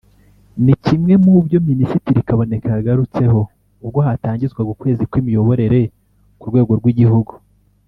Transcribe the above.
ni kimwe mu byo Minisitiri Kaboneka yagarutseho ubwo hatangizwaga ukwezi kw’imiyoborere ku rwego rw’igihugu